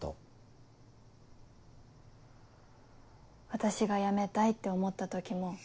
私が辞めたいって思った時も。